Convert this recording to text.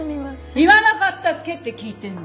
言わなかったっけって聞いてんの！